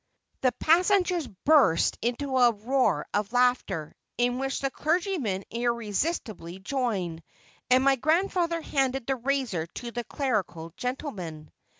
The passengers burst into a roar of laughter, in which the clergyman irresistibly joined, and my grandfather handed the razor to the clerical gentleman.